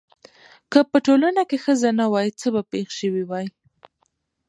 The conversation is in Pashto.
که په ټولنه کې ښځه نه وای څه به پېښ شوي واي؟